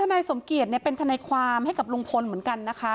นายสมเกียจเป็นทนายความให้กับลุงพลเหมือนกันนะคะ